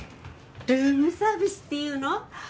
ルームサービスっていうの？